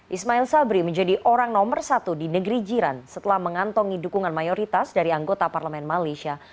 ismail sabri menjadi orang nomor satu di negeri jiran setelah mengantongi dukungan mayoritas dari anggota parlemen malaysia